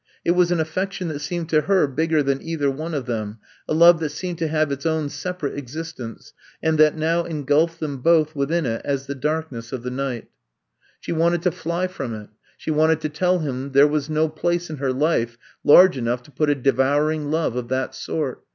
It was an affection that seemed to her bigger than either one of them, a love that seemed to have its own separate exist ence and that now engulfed them both within it as the darkness of the night. 152 I'VE COMB TO STAY She wanted to fly from it ; she wanted to tell him that there was no place in her life large enough to put a devouring love of that sort.